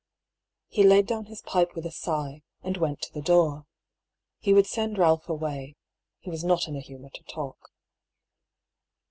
He laid down his pipe with a sigh, and went to the door. He would send Ralph away — he was not in a humour to talk.